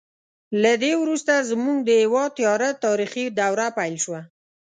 له دې وروسته زموږ د هېواد تیاره تاریخي دوره پیل شوه.